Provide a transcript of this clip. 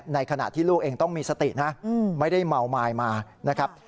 ในขณะที่ลูกเองต้องมีสตินะไม่ได้เมาไม้มานะครับ